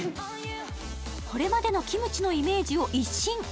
これまでのキムチのイメージを一新。